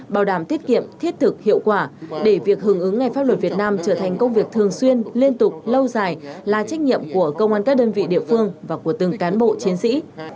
bảo đảm tiết kiệm thiết thực hiệu quả để việc hưởng ứng ngày pháp luật việt nam trở thành công việc thường xuyên liên tục lâu dài là trách nhiệm của công an các đơn vị địa phương và của từng cán bộ chiến sĩ